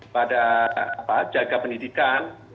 pada apa jaga pendidikan